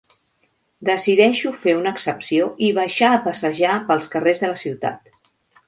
Decideixo fer una excepció i baixar a passejar pels carrers de la ciutat.